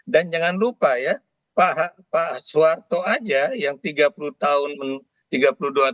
dan jangan lupa ya pak suwarto aja yang tiga puluh tahun tiga puluh dua tahun menjadi presiden